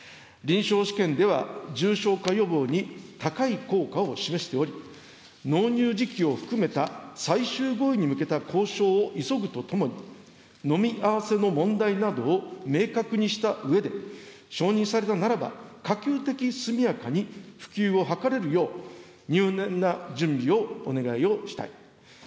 臨床試験では、重症化予防に高い効果を示しており、納入時期を含めた最終合意に向けた交渉を急ぐとともに、飲み合わせの問題などを明確にしたうえで、承認されたならば、可及的速やかに普及を図れるよう、入念な準備をお願いをしたい。